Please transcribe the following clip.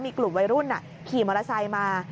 มีกลุ่มวัยรุ่นขี่มอเตอร์ไซค์มา